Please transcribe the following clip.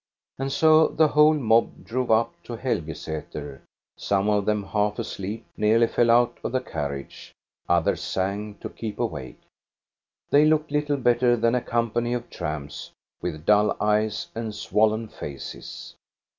And so the whole 342 THE STORY OF GOSTA BE RUNG mob drove up to Helgesater; some of them, half asleep, nearly fell out of the carriage, others sang to keep awake. They looked little better than a com pany of tramps, with dull eyes and swollen faces.